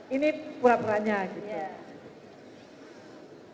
ini burak buraknya gitu